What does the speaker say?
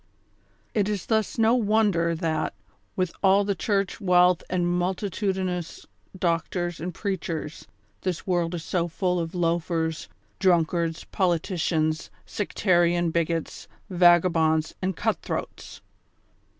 It is thus no wonder that, with all the church wealth and multitudinous doc tors and preachers, this woild is so full of loafers, drunk THE CONSPIRATORS AND LOVERS. 153 ards, politicians, sectarian bigots, vagabonds and cut tliroats!